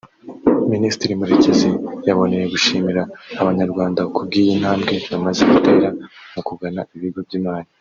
Minisitiri Murekezi yaboneyeho gushimira Abanyarwanda ku bw’iyi ntambwe bamaze gutera mu kugana ibigo by’imari